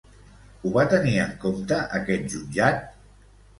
Ho va tenir en compte aquest jutjat?